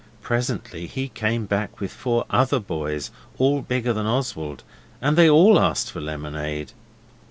Presently he came back with four other boys, all bigger than Oswald; and they all asked for lemonade.